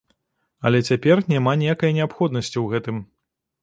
Але цяпер няма ніякай неабходнасці ў гэтым.